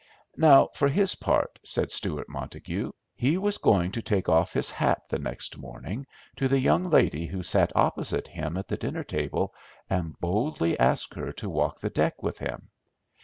Now, for his part, said Stewart Montague, he was going to take off his hat the next morning to the young lady who sat opposite him at the dinner table and boldly ask her to walk the deck with him.